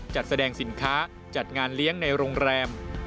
จัดแสดงสินค้าจัดงานเลี้ยงในโรงแรม